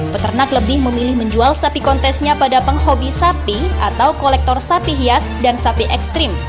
peternak lebih memilih menjual sapi kontesnya pada penghobi sapi atau kolektor sapi hias dan sapi ekstrim